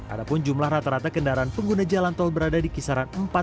adapun jumlah rata rata kendaraan pengguna jalan tol berada di kisaran empat lima ratus per hari